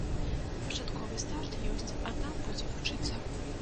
Пачатковы старт ёсць, а там будзе вучыцца.